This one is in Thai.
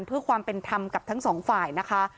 เพื่อความเป็นธรรมกับทั้งสองฝ่ายนะคะ